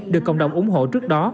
được cộng đồng ủng hộ trước đó